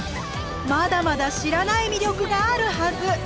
まだまだ知らない魅力があるはず！